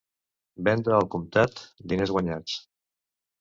Venda al comptat, diners guanyats.